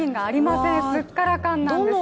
すっからかんなんです。